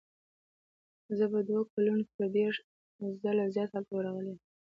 زه په دوو کلونو کې تر دېرش ځله زیات هلته ورغلی یم.